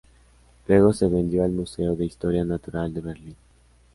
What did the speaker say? Luego se vendió al Museo de Historia Natural de Berlín.